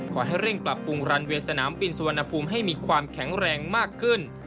ขอให้เร่งปรับปรุงรันเวย์สนามบินสุวรรณภูมิให้มีความแข็งแรงมากขึ้น